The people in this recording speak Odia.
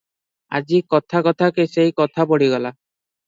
ଆଜି କଥା କଥାକେ ସେହି କଥା ପଡ଼ିଗଲା ।